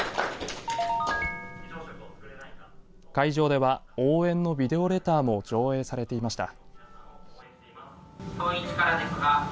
会場では応援のビデオレターも上映されていました。